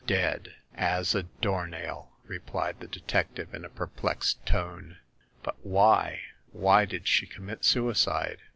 " Dead !" "As a door nail !" replied the detective in a perplexed tone. But why — ^why did she com mit suicide